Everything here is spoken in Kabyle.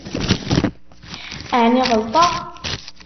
Ɛni ɣelṭeɣ?